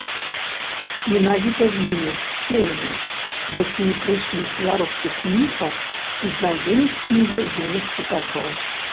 Менавіта з імі, феямі, якія прыйшлі з беларускіх міфаў, і знаёміць кніга юных чытачоў.